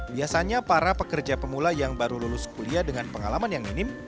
biasanya para pekerja pemula yang baru lulus kuliah dengan pengalaman yang minim